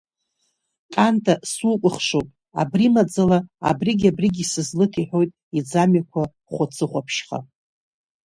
Канта, сукәыхшоуп, абри, маӡала абригь-абригь исызлыҭ, – иҳәоит, иӡамҩақәа хәацыхәаԥшьха.